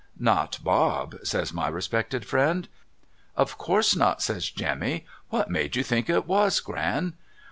' Not Bob,' says my respected friend. ' Of course not,' says Jemmy. ' What made you think it was, Gran